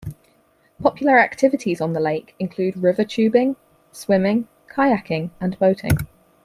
Popular activities on the lake include river tubing, swimming, kayaking and boating.